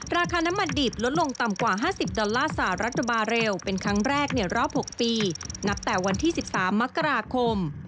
ราคาน้ำมันดิบลดลงต่ำกว่า๕๐ดอลลาร์สหรัฐบาเรลเป็นครั้งแรกในรอบ๖ปีนับแต่วันที่๑๓มกราคม